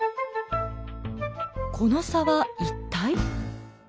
この差は一体？